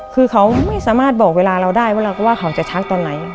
คือเขาไม่สามารถบอกเวลาเราได้ว่าเราก็ว่าเขาจะชักตอนไหน